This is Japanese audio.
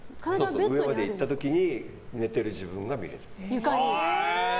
上まで行った時に寝てる自分が見えた。